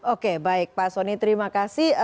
oke baik pak soni terima kasih